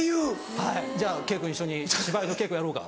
はい「じゃあ兄君一緒に芝居の稽古やろうか」